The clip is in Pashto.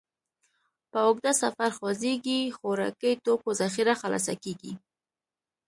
په اوږده سفر خوځېږئ، خوراکي توکو ذخیره خلاصه کېږي.